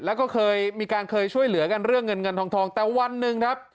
แล้วก็เคยมีการเคยช่วยเหลือกันเรื่องเงินเงินทองทองแต่วันหนึ่งครับ